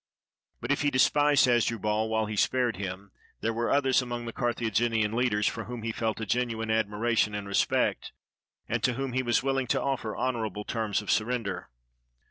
But if he despised Hasdru bal while he spared him, there were others among the Carthaginian leaders for whom he felt a genuine admira tion and respect, and to whom he was wilHng to ofifer honorable terms of surrender.